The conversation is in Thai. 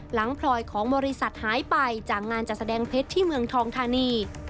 พลอยของบริษัทหายไปจากงานจัดแสดงเพชรที่เมืองทองธานี